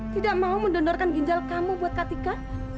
tidak mau mendonorkan ginjal kamu buat kak tika